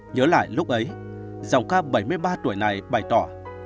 nhớ lại lúc ấy dòng ca bảy mươi ba tuổi này bày tỏ